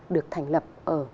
được thành lập ở